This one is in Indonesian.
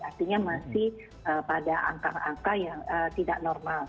artinya masih pada angka angka yang tidak normal